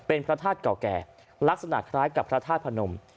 เป็นพระธาตุเก่าแก่ลักษณะคล้ายกับพระธาตุพนม